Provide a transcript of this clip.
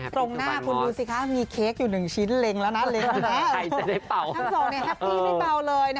ตรงหน้าคุณดูสิค่ะมีเค้กอยู่หนึ่งชิ้นเล็งแล้วนะเล็งแล้วนะ